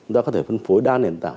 chúng ta có thể phân phối đa nền tảng